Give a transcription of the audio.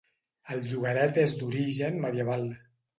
El llogaret és d'origen medieval.